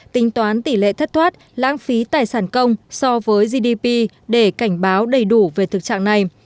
tính toán tỷ lệ thất thoát lãng phí tài sản công so với gdp để cảnh báo đầy đủ về thực trạng này